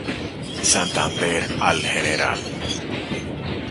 Santander al Gral.